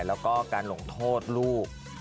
แล้วก็การหลงโทษลูก